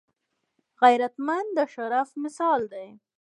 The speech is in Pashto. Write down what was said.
غیرتمند د شرف مثال دی